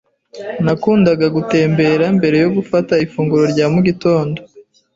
Nakundaga gutembera mbere yo gufata ifunguro rya mu gitondo.